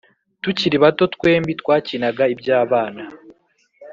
Tukiri bato twembi twakinaga ibyabana